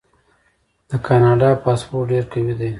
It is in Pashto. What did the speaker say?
د کاناډا پاسپورت ډیر قوي دی.